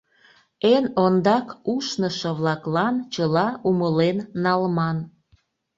Эн ондак ушнышо-влаклан чыла умылен налман.